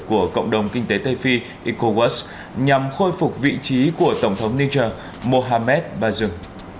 của cộng đồng kinh tế tây phi ecowas nhằm khôi phục vị trí của tổng thống niger mohamed bazoum